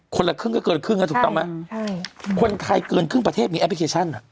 คนละครึ่งก็เกินครึ่งอ่ะถูกต้องไหมใช่คนไทยเกินครึ่งประเทศมีแอปพลิเคชันอ่ะ